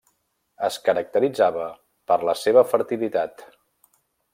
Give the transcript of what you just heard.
Es caracteritzava per la seva fertilitat.